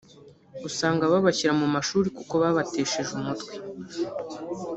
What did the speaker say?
usanga babashyira mu mashuri kuko babatesheje umutwe